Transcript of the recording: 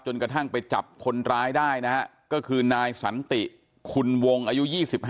กระทั่งไปจับคนร้ายได้นะฮะก็คือนายสันติคุณวงอายุ๒๕